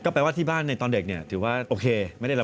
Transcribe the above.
ก็แปลว่าที่บ้านในตอนเด็กถือว่าโอเคไม่ได้รำนวย